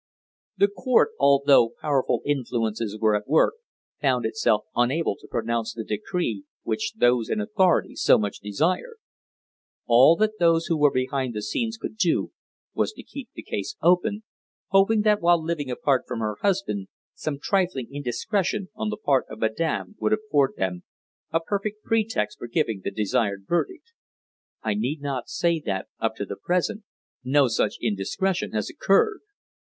"The court, although powerful influences were at work, found itself unable to pronounce the decree which those in authority so much desired. All that those who were behind the scenes could do was to keep the case open, hoping that while living apart from her husband some trifling indiscretion on the part of Madame would afford them a pretext for giving the desired verdict. I need not say that, up to the present, no such indiscretion has occurred.